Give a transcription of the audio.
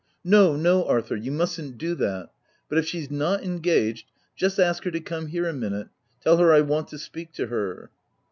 * No, no, Arthur, you mustn't do that, — but if she's not engaged, just ask her to come here a minute : tell her I want to speak to her."